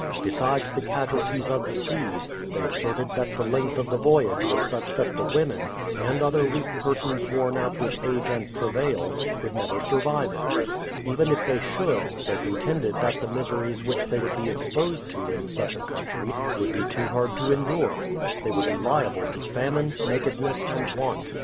Besides the casualties of the seas, they asserted that the length of the voyage was such that the women, and other weak persons worn out with age and travail, could never survive it. Even if they should, they contended that the miseries which they would be exposed to in such a country, would be too hard to endure. They would be liable to famine, nakedness, and want.